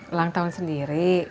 ulang tahun sendiri